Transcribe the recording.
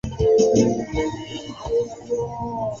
hivyo baada ya Mbandaka kuelekea bahari mto unaendelea kuitwa Kongo